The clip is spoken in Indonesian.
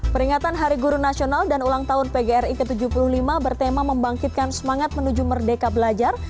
peringatan hari guru nasional dan ulang tahun pgri ke tujuh puluh lima bertema membangkitkan semangat menuju merdeka belajar